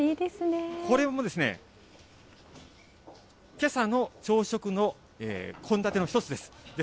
これもけさの朝食の献立の１つです。